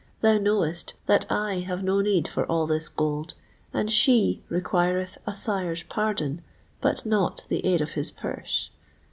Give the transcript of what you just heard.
Thou knowest that I have no need for all this gold; and she requireth a sire's pardon, but not the aid of his purse."